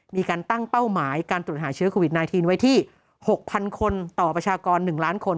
มีการตั้งเป้าหมายการตรวจหาเชื้อโควิด๑๙ไว้ที่๖๐๐๐คนต่อประชากร๑ล้านคน